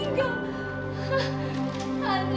aku jangan andre